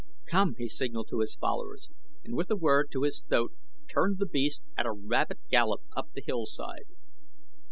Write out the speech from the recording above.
"Come!" he signalled to his followers, and with a word to his thoat turned the beast at a rapid gallop up the hillside.